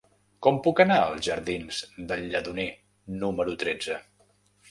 Com puc anar als jardins del Lledoner número tretze?